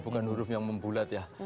bukan huruf yang membulat ya